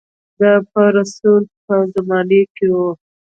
دا په رسول الله په زمانه کې و.